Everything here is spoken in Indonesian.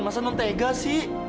masa non tega sih